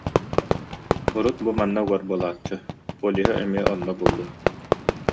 Урут бу манна угар буолааччы, полиһа эмиэ онно буолуо